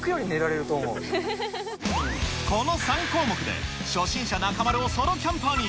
この３項目で、初心者、中丸をソロキャンパーに。